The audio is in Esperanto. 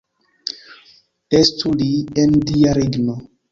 Estu li en Dia regno!